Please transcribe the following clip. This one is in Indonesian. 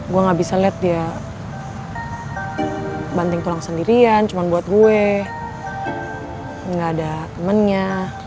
gue gak bisa lihat dia banting tulang sendirian cuma buat gue gak ada temennya